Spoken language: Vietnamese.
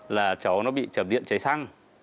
là cháu nó bị chẩm điện cháy xăng